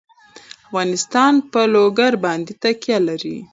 افغانستان په لوگر باندې تکیه لري.